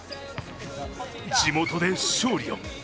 地元で勝利を。